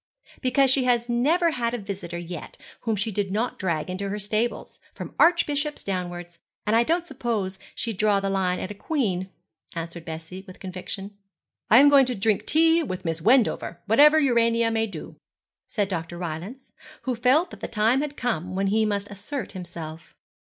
'Because she never had a visitor yet whom she did not drag into her stables, from archbishops downwards; and I don't suppose she'd draw the line at a queen,' answered Bessie, with conviction. 'I am going to drink tea with Miss Wendover, whatever Urania may do,' said Dr. Rylance, who felt that the time had come when he must assert himself.